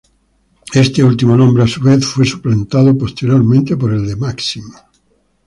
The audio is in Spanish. Este último nombre a su vez fue suplantado posteriormente por el de Máximo.